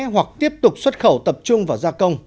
hoặc tiếp tục xuất khẩu tập trung vào gia công